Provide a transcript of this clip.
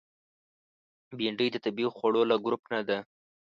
بېنډۍ د طبیعي خوړو له ګروپ نه ده